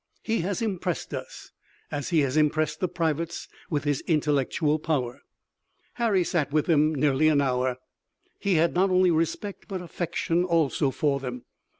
He has impressed us, as he has impressed the privates, with his intellectual power." Harry sat with them nearly an hour. He had not only respect but affection also for them.